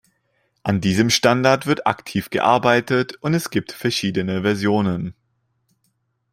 An diesem Standard wird aktiv gearbeitet und es gibt verschiedene Versionen.